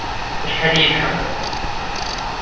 Acḥal ay iyi-tḥemmleḍ?